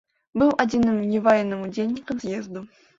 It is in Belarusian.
Быў адзіным неваенным удзельнікам з'езду.